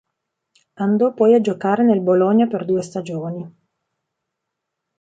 Andò poi a giocare nel Bologna per due stagioni.